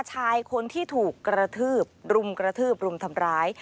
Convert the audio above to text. ชายคนที่ถูกกระทืบรุมกระทืบรุมทำร้าย